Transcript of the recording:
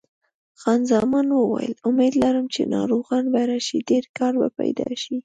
خان زمان وویل: امید لرم چې ناروغان به راشي، ډېر کار به پیدا شي.